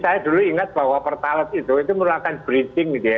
saya dulu ingat bahwa pertalite itu itu merupakan bridging gitu ya